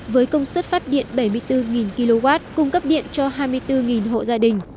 với công suất phát điện bảy mươi bốn kw cung cấp điện cho hai mươi bốn hộ gia đình